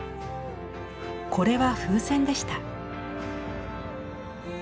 これは風船でした。